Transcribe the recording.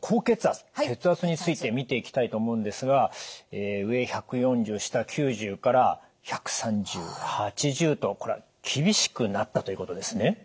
血圧について見ていきたいと思うんですが上１４０下９０から１３０／８０とこれは厳しくなったということですね？